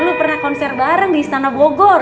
lu pernah konser bareng di istana bogor